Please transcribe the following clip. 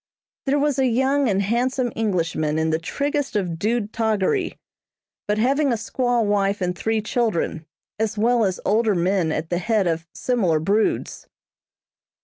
There was a young and handsome Englishman in the triggest of dude toggery, but having a squaw wife and three children, as well as older men at the head of similar broods.